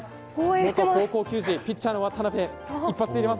元高校球児、ピッチャーの渡辺一発で入れます。